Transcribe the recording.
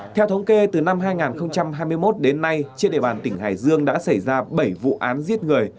theo thống kê từ năm hai nghìn hai mươi một đến nay trên địa bàn tỉnh hải dương đã xảy ra bảy vụ án giết người